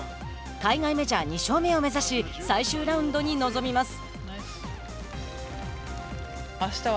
海外メジャー２勝目を目指し最終ラウンドに臨みます。